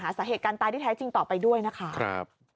สาเหตุการณ์ตายที่แท้จริงต่อไปด้วยนะคะ